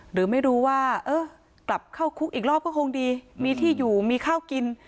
หรือไม่รู้ว่าเออกลับเข้าคุกอีกรอบก็คงดีมีที่อยู่มีข้าวกิน